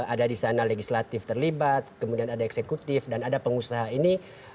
ada di sana legislatif terlibat kemudian ada eksekutif dan ada pengusaha ini